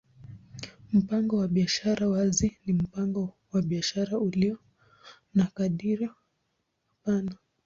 Mpango wa biashara wazi ni mpango wa biashara ulio na hadhira pana.